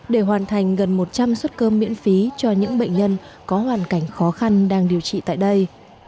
để hoàn thành gần một trăm linh suất cơm miễn phí cho những bệnh nhân có hoàn cảnh khó khăn đang điều trị tại đây